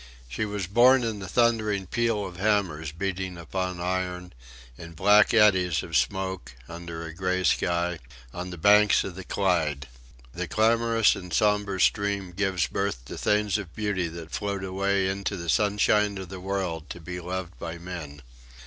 She was born in the thundering peal of hammers beating upon iron, in black eddies of smoke, under a grey sky, on the banks of the Clyde. The clamorous and sombre stream gives birth to things of beauty that float away into the sunshine of the world to be loved by men.